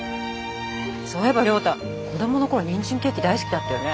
そういえば亮太子どもの頃にんじんケーキ大好きだったよね。